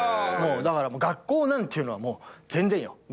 だから学校なんていうのはもう全然よ。